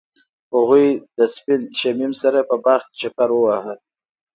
هغوی د سپین شمیم سره په باغ کې چکر وواهه.